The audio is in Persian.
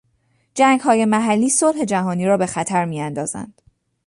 جنگهای محلی صلح جهانی را به خطر میاندازند.